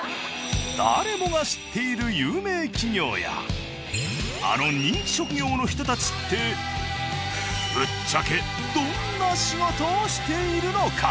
誰もが知っている有名企業やあの人気職業の人たちってぶっちゃけどんな仕事をしているのか？